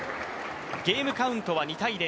ゲームカウントは２−０。